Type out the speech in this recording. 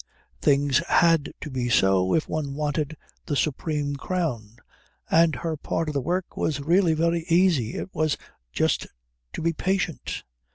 Things had to be so if one wanted the supreme crown, and her part of the work was really very easy, it was just to be patient.